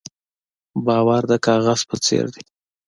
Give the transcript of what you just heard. باور د کاغذ په څېر دی.